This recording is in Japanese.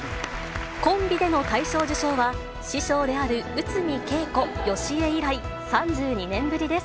コンビでの大賞受賞は、師匠である内海桂子・好江以来、３２年ぶりです。